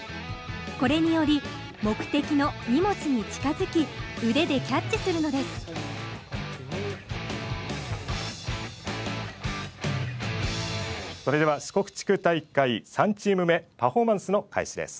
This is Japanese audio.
これにより目的の荷物に近づき腕でキャッチするのですそれでは四国地区大会３チーム目パフォーマンスの開始です。